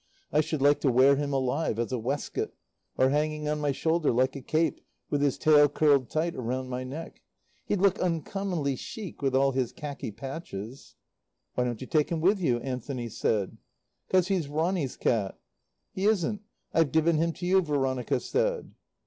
I should like to wear him alive as a waistcoat. Or hanging on my shoulder like a cape, with his tail curled tight round my neck. He'd look uncommonly chic with all his khaki patches." "Why don't you take him with you?" Anthony said. "'Cos he's Ronny's cat." "He isn't. I've given him to you," Veronica said.